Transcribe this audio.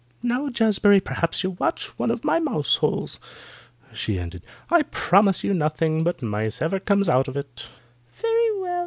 "Now, Jazbury, perhaps you'll watch one of my mouse holes," she ended. "I promise you nothing but mice ever come out of it." "Very well.